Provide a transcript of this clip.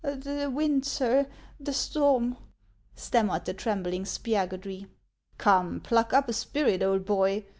The wind, sir, — the storm —" stammered the trem bling Spiagudry. " Come, pluck up a spirit, old boy